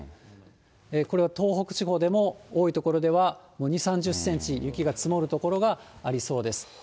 これは東北地方でも多い所ではもう２、３０センチ雪が積もる所がありそうです。